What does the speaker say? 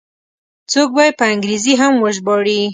څوک به یې په انګریزي هم وژباړي.